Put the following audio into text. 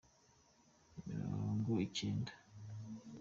mirongo icyenda